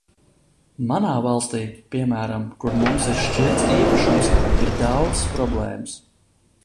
Manā valstī, piemēram, kur mums ir šķirts īpašums, ir daudzas problēmas.